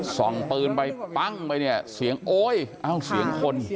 ส่องปืนไปปั้งไปเนี่ยเสียงโอ๊ยเอ้าเสียงคน